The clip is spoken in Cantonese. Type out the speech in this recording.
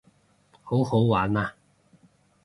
好好玩啊